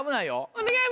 お願い